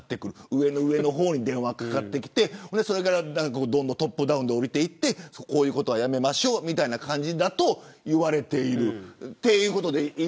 上の上の方に電話がかかってきてどんどんトップダウンで降りていってこういうことは、やめましょうという感じだと言われている。